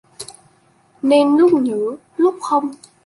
Nên lúc nhớ lúc không